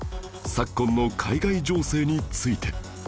昨今の海外情勢について